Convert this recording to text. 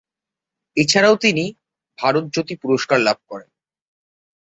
এছাড়াও তিনি, ভারত জ্যোতি পুরস্কার লাভ করেন।